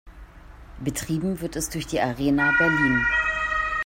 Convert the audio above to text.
Betrieben wird es durch die Arena Berlin.